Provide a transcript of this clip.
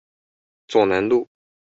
左楠路